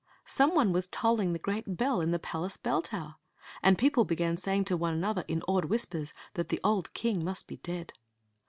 Some one was tolling the gresrt bdl in die psOace bell tower, and people began saying to one another in awed whispers that the old king must be dead.